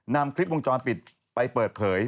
นำคลิปวงจรปิดไปเปิดเผย